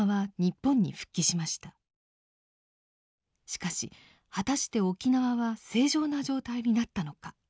しかし果たして沖縄は正常な状態になったのか。